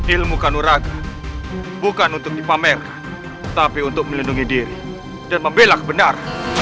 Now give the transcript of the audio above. ilmu kanuraga bukan untuk dipamer tapi untuk melindungi diri dan membelak benar